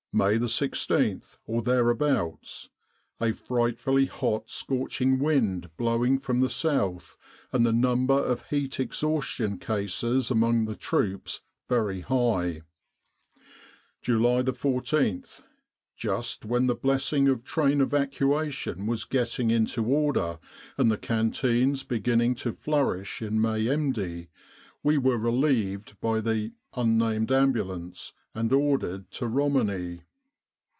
"May 16, or thereabouts. A frightfully hot scorching wind blowing from the south, and the number of heat exhaustion cases among the troops very high. "July 14. Just when the blessing of train evacuation was getting into order, and the canteens beginning to flourish in Mehemdia, we were relieved by the Ambulance, and ordered to Romani.